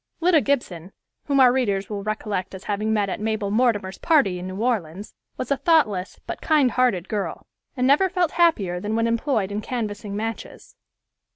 Lida Gibson, whom our readers will recollect as having met at Mabel Mortimer's party in New Orleans, was a thoughtless, but kind hearted girl, and never felt happier than when employed in canvassing matches.